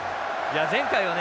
前回はね